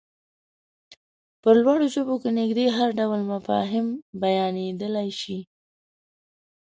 په لوړو ژبو کې نږدې هر ډول مفاهيم بيانېدلای شي.